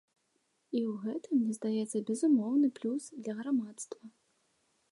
І ў гэтым, мне здаецца, безумоўны плюс для грамадства.